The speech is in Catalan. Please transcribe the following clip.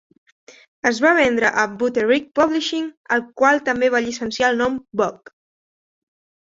Es va vendre a Butterick Publishing, el qual també va llicenciar el nom Vogue.